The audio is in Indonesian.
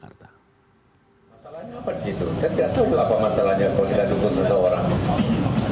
saya tidak tahu itu apa masalahnya kalau tidak dukung seseorang